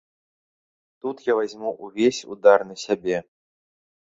Тут я вазьму ўвесь удар на сябе.